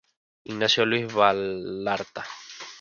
Ignacio Luis Vallarta".